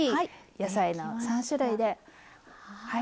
野菜の３種類で。